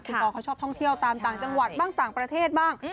คุณปอเขาชอบท่องเที่ยวตามต่างจังหวัดบ้างต่างประเทศบ้าง